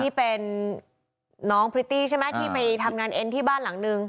นี่เป็นน้องพริตตี้ใช่ไหมที่ไปทำงานเอ็นที่บ้านหลังนึง